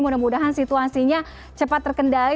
mudah mudahan situasinya cepat terkendali